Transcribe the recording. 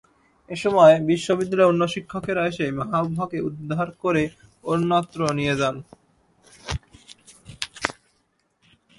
এ সময় বিদ্যালয়ের অন্য শিক্ষকেরা এসে মাহবুবাকে উদ্ধার করে অন্যত্র নিয়ে যান।